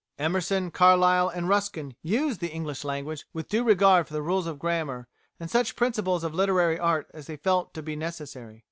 Emerson, Carlyle, and Ruskin used the English language with due regard for the rules of grammar, and such principles of literary art as they felt to be necessary.